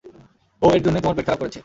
ও, এর জন্যই তোমার পেট খারাপ করেছে!